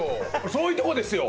そういうとこですよ。